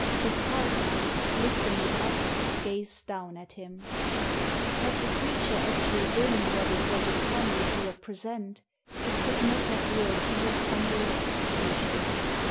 His partner, lifting it up, gazed down at him. Had the creature actually been what it was in tended to represent it could not have worked more summary execution.